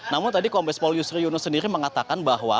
namun tadi kombespol yusri yunus sendiri mengatakan bahwa